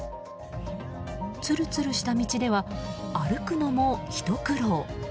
ツルツルした道では歩くのもひと苦労。